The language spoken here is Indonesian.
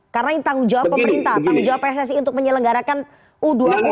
karena ini tanggung jawab pemerintah tanggung jawab pssi untuk menyelenggarakan u dua puluh world cup